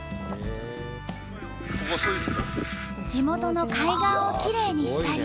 地元の海岸をきれいにしたり。